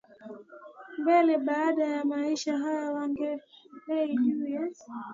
mbele baada ya maisha haya hawaongelei juu ya